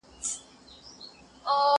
يوه ول مال مي تر تا جار، بل لمن ورته و نيوله.